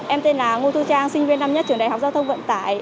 em tên là ngô tư trang sinh viên năm nhất trường đại học giao thông vận tải